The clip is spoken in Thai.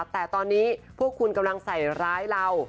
แต่ตอนนี้พวกคุณกำลังใส่ร้ายเรา